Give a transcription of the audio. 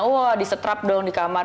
oh disetrap dong di kamar